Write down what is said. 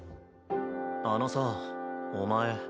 あのさお前。